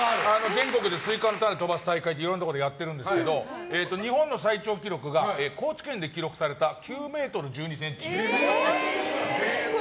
全国でスイカの種を飛ばす大会っていろいろなところでやっているんですけど日本の最長記録が高知県で記録された９ｍ１２ｃｍ。